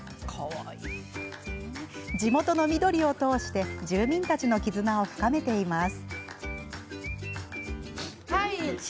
地元の緑を通して住民たちの絆を深めています。